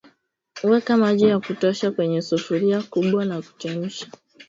Weka maji ya kutosha kwenye sufuria kubwa na kuchemsha